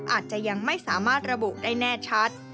อาจจะยังไม่สามารถระบุได้แน่ชัด